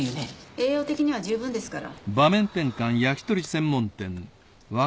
栄養的には十分ですから。